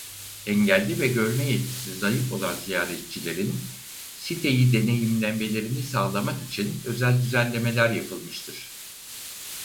Engelli ve görme yetisi zayıf olan ziyaretçilerin siteyi deneyimlemelerini sağlamak için özel düzenlemeler yapılmıştır.